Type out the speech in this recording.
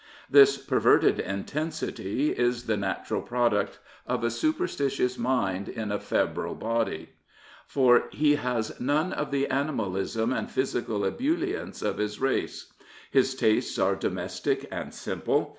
This perverted intensity is the natural product of a superstitious mind in a febrile body. For he has none of the animalism and physical ebullience of his race. His tastes are domestic and simple.